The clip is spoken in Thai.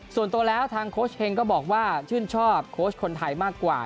ส่วนตัวแล้วทางโค้ชเฮงก็บอกว่าชื่นชอบโค้ชคนไทยมากกว่า